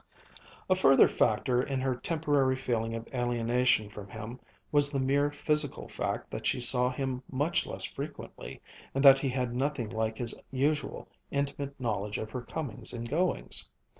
A further factor in her temporary feeling of alienation from him was the mere physical fact that she saw him much less frequently and that he had nothing like his usual intimate knowledge of her comings and goings.